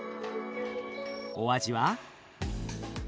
お味は？